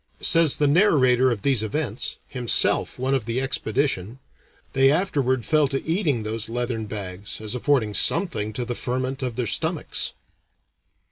Says the narrator of these events, himself one of the expedition, "They afterward fell to eating those leathern bags, as affording something to the ferment of their stomachs."